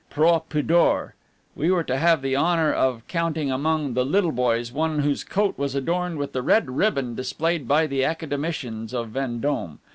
Proh pudor! we were to have the honor of counting among the "little boys" one whose coat was adorned with the red ribbon displayed by the "Academicians" of Vendome.